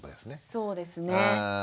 そうですね。